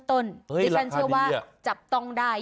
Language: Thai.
เฮ้ยราคาดีอ่ะที่ฉันเชื่อว่าจับต้องได้